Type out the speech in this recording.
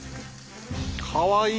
かわいい！